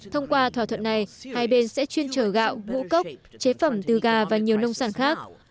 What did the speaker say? thông qua thỏa thuận này hai bên sẽ chuyên trở gạo ngũ cốc chế phẩm từ gà và nhiều nông sản khác